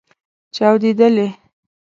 چاودیدلې